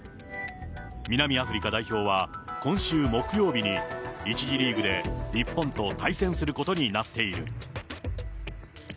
南アフリカ代表は、今週木曜日に１次リーグで日本と対戦することになっている。